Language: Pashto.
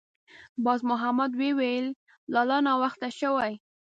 باز محمد ویې ویل: «لالا! ناوخته شوې.»